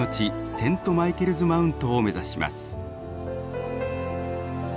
セント・マイケルズ・マウントを目指します。